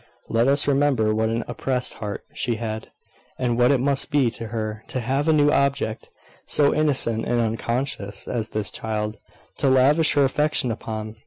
Let us remember what an oppressed heart she had, and what it must be to her to have a new object, so innocent and unconscious as this child, to lavish her affection upon.